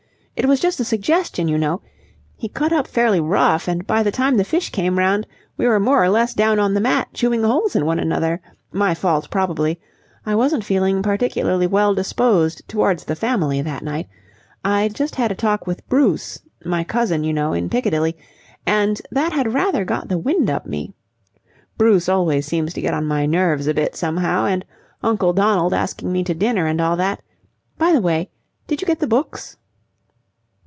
It was just a suggestion, you know. He cut up fairly rough, and by the time the fish came round we were more or less down on the mat chewing holes in one another. My fault, probably. I wasn't feeling particularly well disposed towards the Family that night. I'd just had a talk with Bruce my cousin, you know in Piccadilly, and that had rather got the wind up me. Bruce always seems to get on my nerves a bit somehow and Uncle Donald asking me to dinner and all that. By the way, did you get the books?"